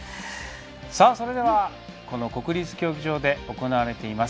それでは国立競技場で行われています